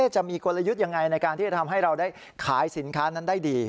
จะมีกลยุทธ์ยังไงในการที่จะทำให้เราได้ขายสินค้านั้นได้ดี